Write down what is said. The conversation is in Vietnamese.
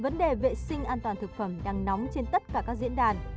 chính an toàn thực phẩm đang nóng trên tất cả các diễn đàn